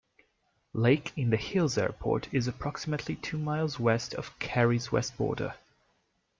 Lake in the Hills Airport is approximately two miles west of Cary's west border.